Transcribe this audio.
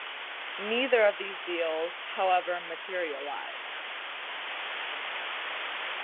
Neither of these deals, however, materialized.